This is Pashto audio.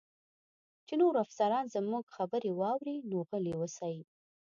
چې نور افسران زموږ خبرې واوري، نو غلي اوسئ.